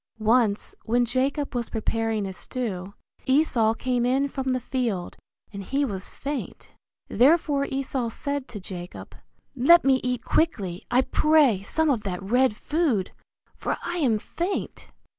Once when Jacob was preparing a stew, Esau came in from the field, and he was faint; therefore Esau said to Jacob, Let me eat quickly, I pray, some of that red food, for I am faint.